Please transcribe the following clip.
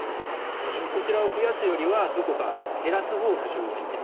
こちらを増やすよりはどこか減らす方を先にやりたいです。